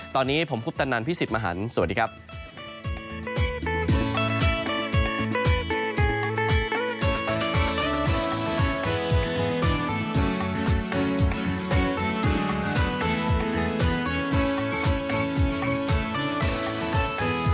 ตอนนี้ผมคุปตนันพี่สิทธิ์มหันฯสวัสดีครับ